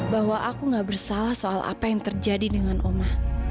bahwa aku gak bersalah soal apa yang terjadi dengan oma